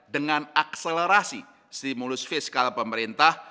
dengan akselerasi stimulus fiskal pemerintah